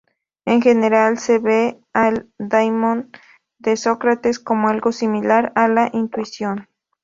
En general, se ve al "daimon" de Sócrates como algo similar a la intuición.